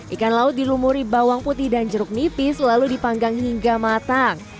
ikan laut dilumuri bawang putih dan jeruk nipis lalu dipanggang hingga matang